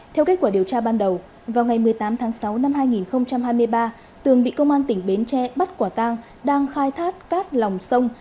theo kết quả điều tra ban đầu vào ngày một mươi tám tháng sáu năm hai nghìn hai mươi ba tường bị công an tỉnh bến tre bắt quả tang đang khai thác cát lòng sông